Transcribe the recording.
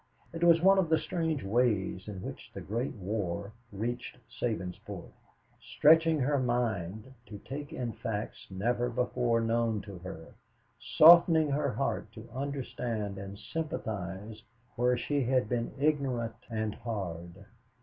It was one of the strange ways in which the Great War reached Sabinsport stretching her mind to take in facts never before known to her, softening her heart to understand and sympathize where she had been ignorant and hard.